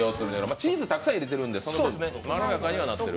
チーズをたくさん入れてるので、まろやかにはなってる。